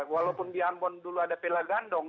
walaupun di ambon dulu ada pelagandong